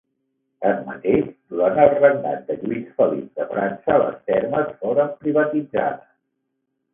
Tanmateix, durant el regnat de Lluís Felip de França, les termes foren privatitzades.